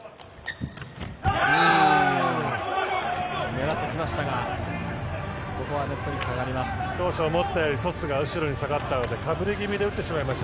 狙ってきましたがここはネットにかかります。